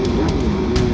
pak aku mau ke sana